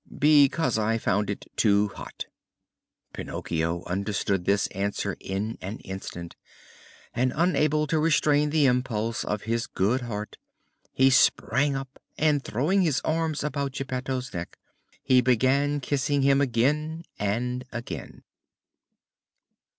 "Because I found it too hot." Pinocchio understood this answer in an instant, and unable to restrain the impulse of his good heart he sprang up and, throwing his arms around Geppetto's neck, he began kissing him again and again.